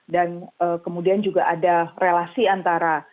kemudian juga ada relasi antara